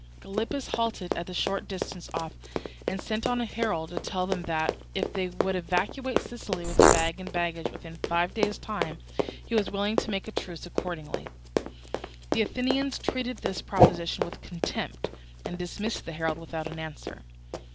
Gylippus halted at a short distance off and sent on a herald to tell them that, if they would evacuate Sicily with bag and baggage within five days' time, he was willing to make a truce accordingly. The Athenians treated this proposition with contempt, and dismissed the herald without an answer.